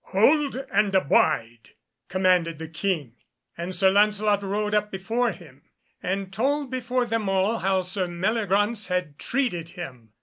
"Hold and abide!" commanded the King, and Sir Lancelot rode up before him, and told before them all how Sir Meliagraunce had treated him.